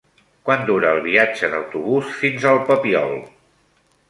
Quant dura el viatge en autobús fins al Papiol?